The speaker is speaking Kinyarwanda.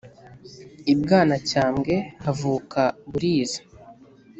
I Bwanacyambwe havuka Buriza .